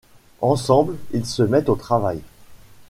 Ensemble, ils se mettent au travail.